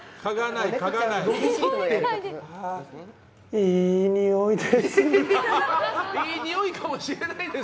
いいにおいです。